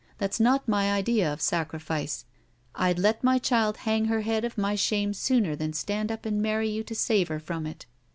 That's not my idea of sacrifice! I'd let my child hang her head of my shame sooner than stand up and marry you to save her from it.